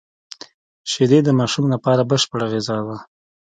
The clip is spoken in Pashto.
شیدې د ماشوم لپاره بشپړه غذا ده